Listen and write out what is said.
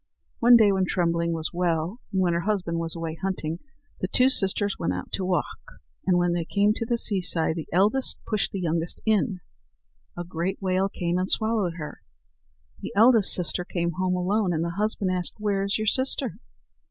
One day, when Trembling was well, and when her husband was away hunting, the two sisters went out to walk; and when they came to the seaside, the eldest pushed the youngest sister in. A great whale came and swallowed her. The eldest sister came home alone, and the husband asked, "Where is your sister?"